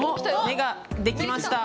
目が出来ました。